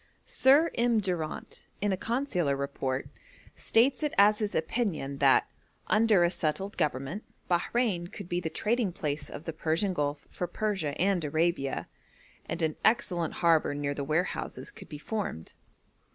Sir M. Durant, in a consular report, states it as his opinion that, 'under a settled government, Bahrein could be the trading place of the Persian Gulf for Persia and Arabia, and an excellent harbour near the warehouses could be formed.'